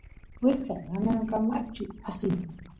wiksa nanankamachu asin